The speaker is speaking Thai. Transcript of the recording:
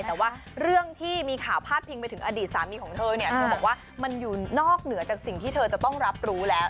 แต่ว่าเรื่องที่มีข่าวพาดพิงไปถึงอดีตสามีของเธอเนี่ยเธอบอกว่ามันอยู่นอกเหนือจากสิ่งที่เธอจะต้องรับรู้แล้ว